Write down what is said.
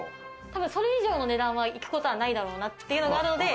多分それ以上の値段は行くことはないだろうなっていうのがあるので。